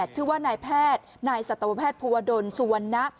ชื่อว่านายแพทย์นายสัตวแพทย์ภูวดลสุวรรณะ